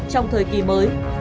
trong thời kỳ mới